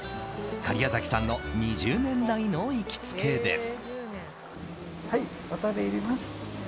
假屋崎さんの２０年来の行きつけです。